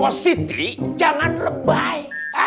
oh siti jangan lebay